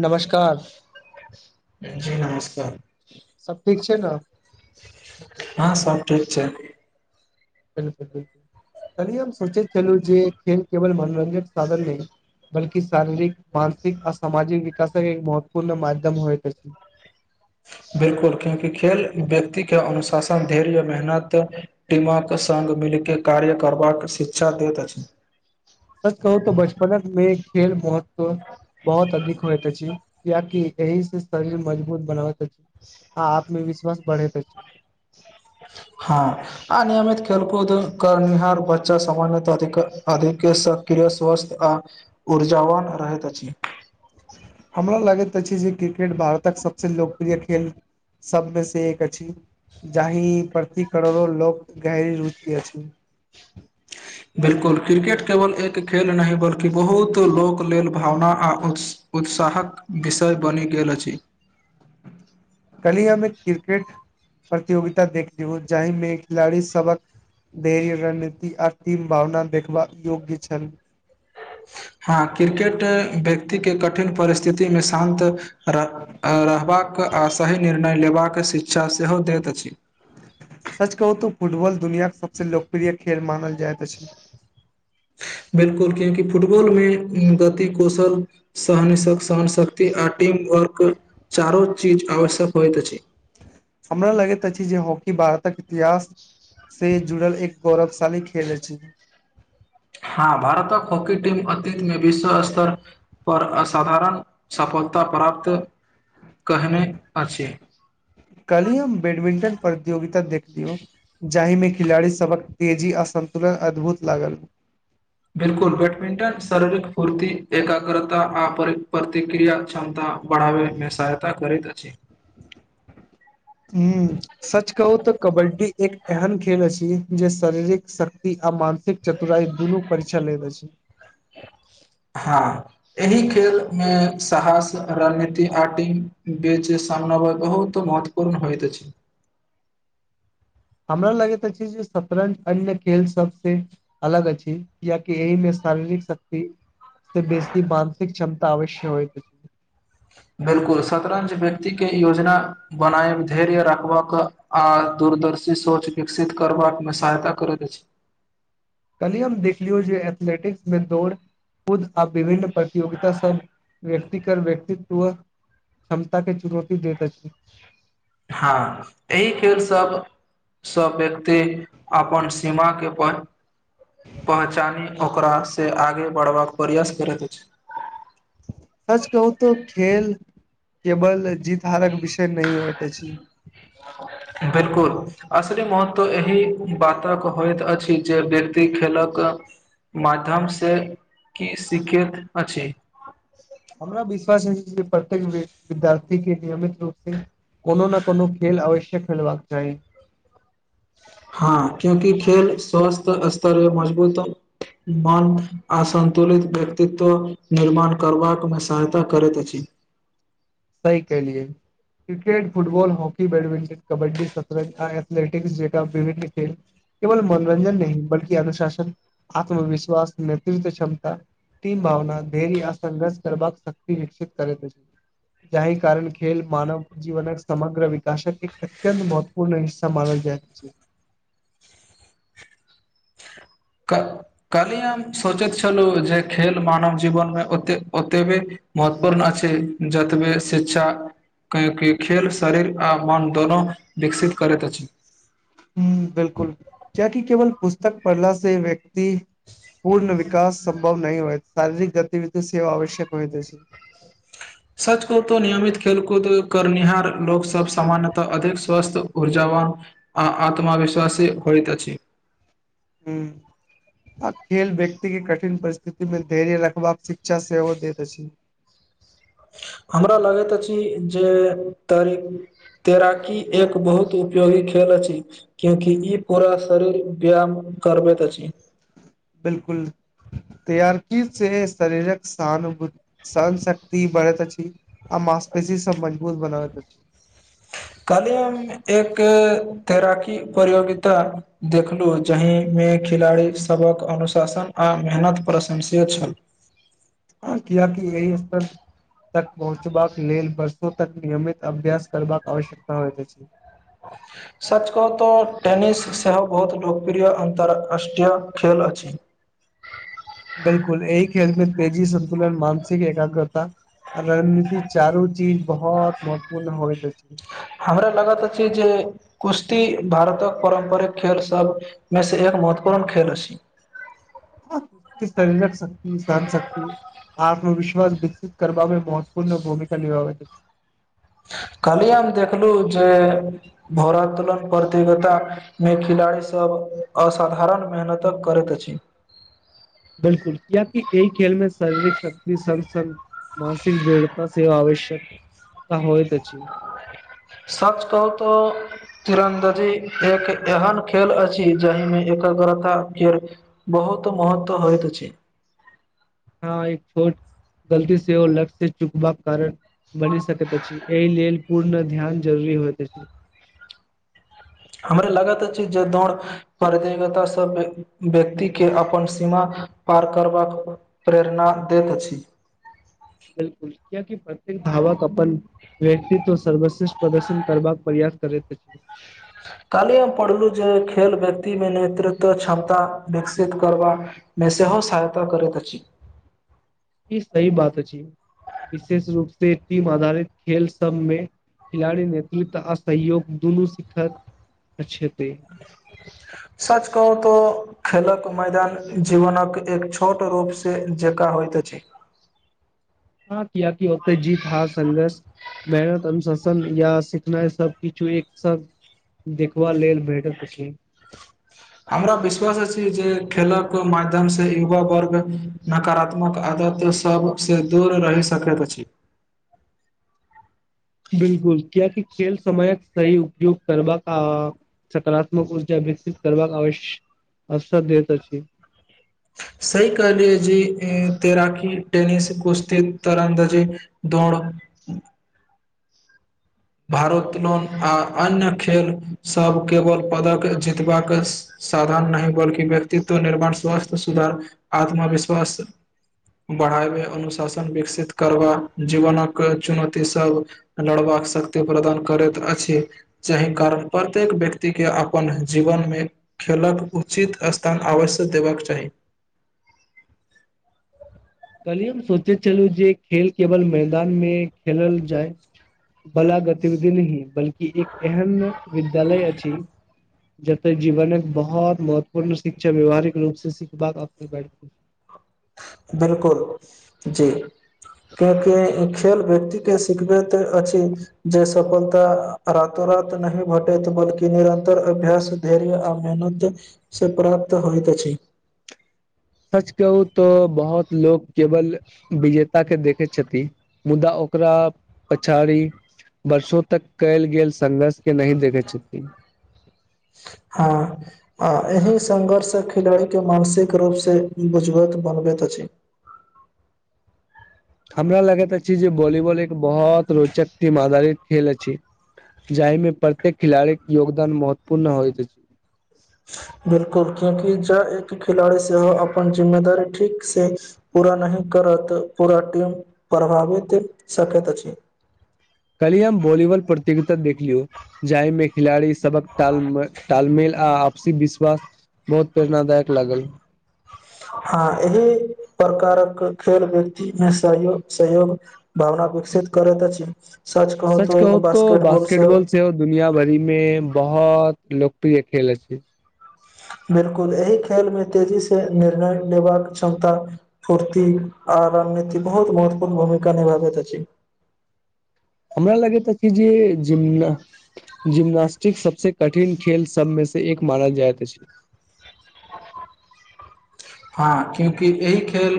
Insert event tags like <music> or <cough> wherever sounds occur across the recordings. नमस्कार जी नमस्कार सब ठीक छै ने हाँ सब ठीक छै ब त सोचैत छल जे केवल मन मनोरञजक साधन नहि बल्कि क शारीरिक मानसिक आ सामाजिक विकासक एक महत्वपूर्ण माध्यम होइत अछि बिल्कुल क्योंकि खेल व्यक्ति के अनुशासन धैर्य मेहनत दटिमक सान मिलके कार्य करबाक शिक्षा दैत अछि सच कहू त बचपनमे खेल महत्व बहुत अधिक होइत अछि कियाकि एहि से शरीर मजबूत बनाबैत आ आत्मविश्वास बढ़ैत अछि हाँ अनियमित खेलकूद करनिहार बच्चा समाजमे अधिक अधिके सक्रि स्वस्थ आ ऊर्जावान रहैत अछि हमरा लगैत अछि जे क्रिकेट भारतक सबसे लोकप्रिय खेल सबमे से एक अछि जाहि प्रति करोड़ो लोक गहरी रुचि अछि बिल्कुल क्रिकेट केवल एक खेल नहि बल्कि बहुत लोक लेल भावना आ उत उत्साहक विषय बनि गेल अछि <unintelligible> कल्हि हम एक क्रिकेट प्रतियोगिता देखती ह जाहिमे खिलाड़ी सबक देर रणनीति आ तीम भावना देखबाक योग्य छल हाँ क्रिकेट व्यक्तिके कठिन परिस्थितिमे शान्त रह रहबाक आ सही निर्णय लेबाक शिक्षा सेहो दैत अछि सच कहू त फुटबॉल दुनियाके सबसँ लोकप्रिय खेल मानल जा बिल्कुल कियाकि फुटबॉल मे गति कौशल सहन सहन शक्ति आ टीम वर्क चारो चीज आवश्यक होइत अछि हमरा लगैत अछि जे हॉकी भारतक इतिहास से जुड़ल एक गौरवसँ खेल छी हँ भारतक हॉकी टीम अतीतमे विश्व स्तर पर असाधारण सपोर्ट फलता प्राप्त कहने अछि कली हम बैडमिंटन प्रतियोगिता देखलियौ जाहिमे खिलाड़ी सबक तेजी असर सन्तुलन अद्भुत लागल बिल्कुल बैडमिंटन शारीरिक फूर्ति एकाग्रता आ प्रतिक्रिया क्षमता बढ़ावैमे सहायता करैत अछि हम्म सच कहू त कबड्डी एक एहन खेल अछि जे शरीरिक शक्ति आ मानसिक चतुराई दूनू परीक्षा ले दे छै हँ एहि खेल मे साहस रणनीति आ टीम बेच सामना बय कह हो तऽ महत्वपूर्ण होइत छै <unintelligible> हमरा लगैत अछि जे शतरंज अन्य खेल सबसँ अलग अछि कियाकि एहिमे शारीरिक शक्ति से बेसी मानसिक क्षमता अवश्य होय बिल्कुल शतरंज व्यक्ति के योजना बनाए धैर्य रखबाक आ दूर दूरदर्शी सोच विकसित करबाकमे सहायता करैत अछि कली हम देख लियौ जे एथलेटिक्स मे दौड़ खुद आ विभिन्न प्रतियोगिता सब व्यक्तिकर व्यक्तित्व त क्षमता के चुनौती दैत अछि हँ एहि खेलसभ सब व्यक्ति अपन सीमा केपर पहचानी ओकरासँ आगे बढ़बाक प्रयास करैत अछि सच कहू त खेल केबल जीत हारक विषय नहि होइत अछि तऽ एहि बातक होइत अछि जे व्यक्ति खेलक माध्यमसँ की सीखैत अछि हमरा विश्वास अछि जे प्रत्येक विद्यार्थी के नियमित रूप से कोनो ने कोनो खेल अवश्ये खेलबाक चाही हँ क्यूंकि खेल स्वस्थ स्तर मजबूत मन असन्तुलित व्यक्तित्व निर्माण करबाक मे सहायता करैत अछि सही कैलियए cricket football hockey badminton kabaddi शतरंज आ एथलेटिक्स जेका विभिन्न खेल केवल मनोरंजन नहि बल्कि अनुशासन आत्मविश्वास नेतृत्व क्षमता तीन भावना धैर्य आ संघर्ष करबाक शक्त विकसित करे छै जाहि कारण खेल मानव जीवन समग्र विकासक एक अत्यंत महत्वपूर्ण हिस्सा मानल जाइत अच्छा कली हम सोचैत छलहुँ जे खेल मानव जीवनमे ओतेक ओतेबे महत्वपूर्ण आ छै जतबे स्वेच्छा ककि खेल शरीर आ मन दोनो विकसित करैत अछि ह बिलकुल किया कि केवल पुस्तक पढ़ला से वे पूर्ण विकास संभव नहि होइ शारीरिक गतिविधि सेव आवश्यक होइ द छै सच को त नियमित खेलकूद करनिहार लोक सब सामान्यतः अधिक स्वस्थ ऊर्जा आत्मा विश्वासी होयत अछि <inaudible> ह आ खेल व्यक्ति के कठिन परिस्थितिमे धैर्य रखबाक ईच्छा सेहो देैत अछी <inaudible> हमरा लगैत अछि जे त तैराकी एक बहुत उपयोगी खेल अछि क्यूंकि ई पूरा शरीर व्यायाम करबैत अछि बिलकुल तैराकी से शरीरक सहन शक्ति बढ़ैत अछि आ माँस्पेसी सब मजबूत बनाबैत अछि कहली हम एक तैराकी प्रितियोगिता देखलू जहि मे खेलाड़ी सभक अनुशासन आ मेहनत प्रशंसय छल हँ कियाकि एहि स्तर तक पहुँचबाक लेल बर्षो तक नियमित अभ्यस करबाक आवश्यकता हो छै सच कहतऽ टेनिस सेहो बहुत लोकप्रिय अन्तरराष्ट्रीय खेल अछि <inaudible> बिल्कुल एहि खेल मे तेजी संन्तुलन मानसिक एकाग्रता रणनीति चारू चीज बहुत महत्वपूर्ण होइत अछि हमरा लागत छै जे कुश्ती भारतक पारम्परिक खेल सब मे से एक महत्वपूर्ण खेल छी <inaudible> शरीरक शक्ति सहन शक्ति आत्म वििश्वास विकसित करबमे महत्वपूर्ण भूमिका निभाबैत अछि कल्हिये हम हम देखलहु जे भोरातोलन प्रतियोगता मे खिला खिलाड़ी सब असाधारण मेहनतक करैत अछि बिलकुल कियकि एहि खेल मे शारीरिक शक्ति सग सङ् मानसिक दृढ़ता सेहो आवश्यक क होइत अछि सच कहू तऽ तिरन्दजी एक एहन खेल अछि जाहिमे एकग्रतााक के बहुत बहुत महत्व होइत अछि हँ एक छोट गलती से ओर लक्य से चुकबाक कारण बनि सकैत अछि एहि लेल पूर्ण ध्यान जरूरी होइत अछि हमराे लागैत अछि जे दौड़ प्रतियोगितासँ व्यक्तिके अपन सीमा पार करबाक प्रेरणा दैत अछि बिलकुल कियकि प्रत्येक धावक अपन व्यक्त्व सर्वश्रेष्ठ प्रदर्शन करबाक प्रयास करैत छै काली हम पढ़लु जे खेल व्यक्ति मे नेतृत्व क्षमता विकसित करबा ए सेहोे सहायता करैत अछि ई सही बात अछि विशेष रूप से टीम आधारित खेल सबमे खिलाड़ी नेतृत्व आ सहयोग दुनू सिखत् सच कहू तो खेलक मैदान जीवनक एक छोट रूप से जकर होइइत छै हँ किया की ओतऽ जीत हार संघर्ष मेहनत अनुशासन या सिखनाइ सबकछु एक साथ देखबा लेल बैठल अछि हमरा विश्वास छी जे खेलक माध्यम से युवा वर्ग नकारात्मक त सबसँ दूर रहि सकैत अछि <inaudible> बिलकुल कियाकि खेल समयक सही उपयोग करबा क सकारात्मक ऊर्जा विकसित करबाक आव अवसर दैत अछि सही कहलिय जे तैराकी तैनिस से पुछतै तोर भारत लोन आ अन्य खेल सब केवल पदक जीतबाकस साधन नहि बल्कि व्यक्तित्व निर्माण स्वास्थ्य सुधार आत्मविश्वास बढ़ाबे अनुशासन विकसित करबा जीवनक चुनौती सभ लड़बाक सक ते प्रदान करैत अछि जाहि कारण प्रत्येक व्यक्ति के अपन जीवन में ख खलक उचित स्थान आवश्यक देबाक चाही <inaudible> कहलियी सोचे छलहु जे खेल केवल मैदान मे खेलल जाय भला गतिविधि नहीं बल्कि एक एहन विद्यालय अछि जब तक जीवन एक बहुत महत्वपूर्ण शिक्षा व्यवहारिक रूप से सिखबाक असर बैठ <inaudible> बिलकुल जी किआ कि खेल व्यक्ति के सिखबैत अछि जे सफलता रातो रात नहि भटैत बल्कि निरन्तर अभ्यास धैर्य आ मेहनत से प्राप्त होइतत त छै सच कहू त बहुत लो केवल विजेता के देख छथि मुदा ओकरा पछाड़ी वर्षों तक कयल गेल संघर्ष के नहि देखैत छथिन ह एहि संघर्ष खिलाड़ी के मानसिक रूप से बुझबत बनबैत छै <inaudible> हमरा लागैत छी जे भॉलीबल एक बहुत रोचक टिम आधारित खेल अछि छी जाहि में प्रत्येक खिलाड़ी के योगदान महत्वपूर्ण होइत अछि बिलकुल क्यूंकि ज एक खिलाड़ी सेहो अपन जिम्मेदारी ठीक से पूरा नह करत तऽ पूरा टीम पढ़बा बैत सकैत अछि कल हम वॉलीबॉल प्रतियोगिता देख लियौ जाहि में खिलाड़ी सबक तऽ तालमेल आ सीस विश्वास बहुत प्रेरणादायक लागल हँ एहि प्रकारक खेल व्यक्ति में सहयोग सहयोग भावना अ अपेक्षित करैत छै सच कहू तो बास्केट बॉल से हो दुनिया भरि में बहुत लोकप्रिय खेल अछि बिलकुल एहि खेल मे तेजी से निर्णय लेबाक क्षमता फूर्ति आ आ रणनीति बहुत महत्वपूर्ण भूमिका निभाबैत अछि हमरा लगे कि जेम जिम्नास्टिक सब से कठिन खेल सब में से एक मानल जाइत छै हँ क्योंकि एहि खेल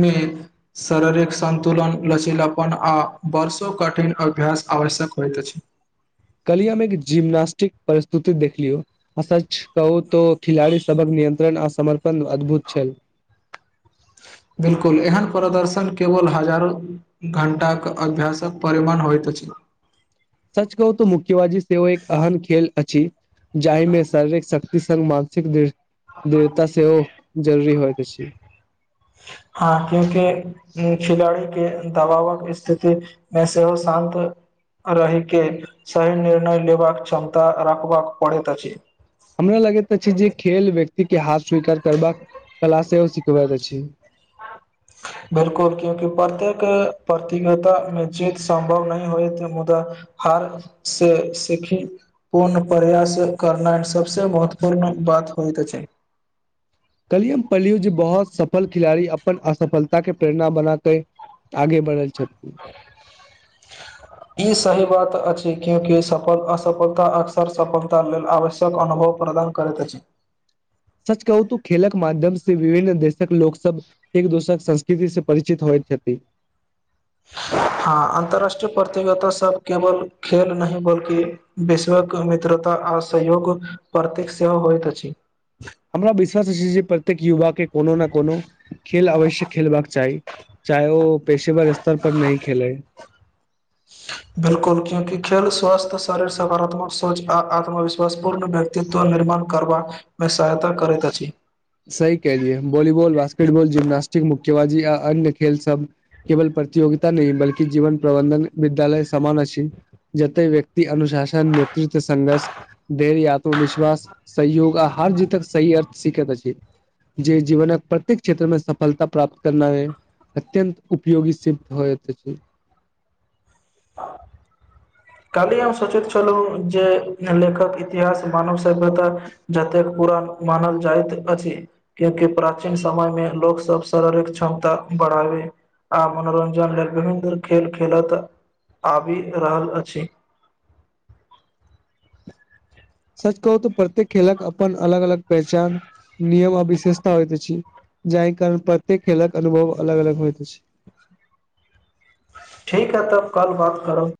में शारीरिक संन्तुलन लसीलापन आ वरषो कठिन अभ्यास आवश्यक होयइत अछि कलिया में एक जिम्नास्टिक परिस्तुति देख लियौ अ सच कहू तो खिलाड़ी सबक में नियंत्रण आ समर्पण अद्भुत छैन बिलकुल एहन प्रदर्शन केवल हजारो घंटा के अभ्यासक परिमाण होइत अछि सच कहू तऽ मुख्यबाजी सेव एक अहन खेल अछि जाहि में शारीरिक शक्ति स मानसिकवृत दृढ़ता से ओ जरूुरी होइत अछि हँ क्यूकि खिलाड़ी के दबावक स्थिति मे सेहो शांंन्त रहि के सही निर्णय लेबाक क्षमता राख बाक पड़ैत अछि हमरा लगैत अछि जे खेल व्यक्ति के हार स्वीकार करबाक कला सेहो सिखबैत अछि <inaudible> बिलकुल क्यूकि प्रत्येक प्रतियोगिता मे जीत सं्भव नहि होए ते मुदा हार से सीखी पूर्ण प्रयास करना सबसँ महत्वपूर्ण बात होइत छै <unintelligible> कलियम पल्लूजी बहुत सफल खिलाड़ी अपन असफलता के प्रेरणा बना क आगे बढ़ल छथिन ई सही बात अछि क्यूकि असफलता अक्सर सफलता लेल आवश्यक अनुभव प्रदान करैत अछि <unintelligible> सच कहू तू खेलक माध्यम से विभिन्न देशक लोक सब एक दोसरक संस्कृति से परिचित होए छथि हँ अन्तर्राष्ट्रीय प्रतियगिता सब केवल खेल नहि बल्कि विश्वक मित्रता आ सहयोग प्रतेक सेहो होइत अछि हमरा विश्वास जे प्रत्येक युवा के कोनो ने कोनो खेल अवश्यक खेलबाक चाही चाहे ओ पेशेवर स्तर पर नहि खेले <unintelligible> बिल्कुल क्योंकी खेल स्वास्थ शरीर सकारात्मक सोच आ आत्मविश्वास पूर्ण व्यक्तित्व निर्माण कर मे सहायता करैत अछि सही कलियए वॉलीबॉल बास्केटबॉल जिम्नास्टिक मुक्ेबाजी आ अन्य खेल सब केवल प्रतियोगित नहि बलकि जीवन प्रबन्धन विद्यालय समान अछि जते व्यक अनुशासन नेतृत्व संघर्ष धैर्य आत्मविश्वास सहयोग आ हार जीतक सही अर्थ सीख अछि जे जीवनक प्रत्येक क्षेत्र मे सफलता प्राप्त करना है अत्यंत उपयोगी सिद्ध होइत छै <unintelligible> काल्हि हम सोचैत छलहुँ जे लेखक इतिहास मानव सभ्यता जतेक मानल जाइत अछि क्यँकि प्राचीन समयमे लोकसभ शारीरिक क्षमता बढ़ बढ़ाबे आ मनोरंजन लेल विभिन्न खेल खेलत आबि रहल अछि छि सच कहू तऽ प्रत्येक खेलक अपन अलग अलग पहचान नियम अ विशेषता होइत छी जाहि कारण प्रत्येक खेलक अनुभव अलग अलग होइत छै ठीक है तब कल बात करो